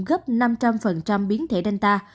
gấp năm trăm linh biến thể delta